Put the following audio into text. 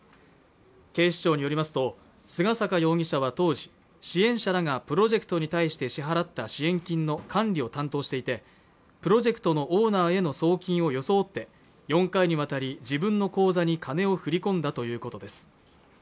警視庁によりますと菅坂容疑者は当時支援者らがプロジェクトに対して支払った支援金の管理を担当していてプロジェクトのオーナーへの送金を装って４回にわたり自分の口座に金を振り込んだということです